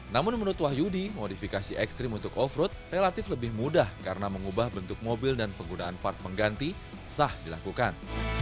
namun menurut wahyudi modifikasi ekstrim untuk off road relatif lebih mudah karena mengubah bentuk mobil dan penggunaan part pengganti sah dilakukan